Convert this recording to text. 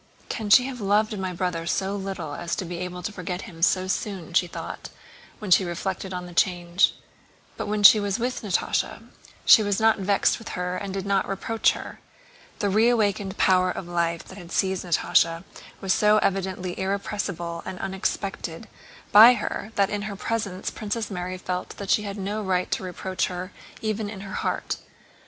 "Can she have loved my brother so little as to be able to forget him so soon?" she thought when she reflected on the change. But when she was with Natásha she was not vexed with her and did not reproach her. The reawakened power of life that had seized Natásha was so evidently irrepressible and unexpected by her that in her presence Princess Mary felt that she had no right to reproach her even in her heart.